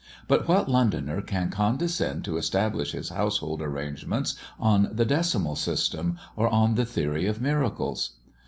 But what Londoner can condescend to establish his household arrangements on the decimal system, or on the theory of miracles?